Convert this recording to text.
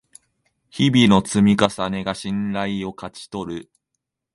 日々の積み重ねが信頼を勝ち取る